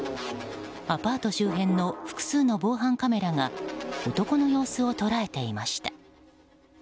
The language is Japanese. アパート周辺の複数の防犯カメラが男の様子を捉えていました。